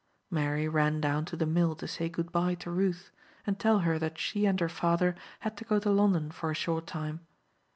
Mary ran down to the mill to say good bye to Ruth, and tell her that she and her father had to go to London for a short time.